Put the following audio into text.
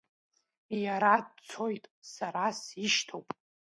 Иара дцоит, сара сишьҭоуп.